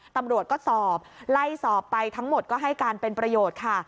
ตำรวจก็สอบไล่สอบไปทั้งหมดก็ให้การเป็นประโยชน์ค่ะ